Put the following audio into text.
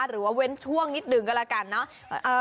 เดี๋ยวเราเว้นช่วงนิดหนึ่งกันละกันเนาะ